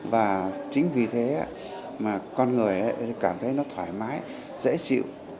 và chính vì thế mà con người cảm thấy nó thoải mái dễ chịu